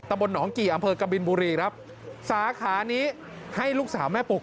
บนหนองกี่อำเภอกบินบุรีครับสาขานี้ให้ลูกสาวแม่ปุก